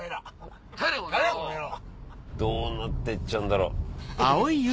どうなってっちゃうんだろう？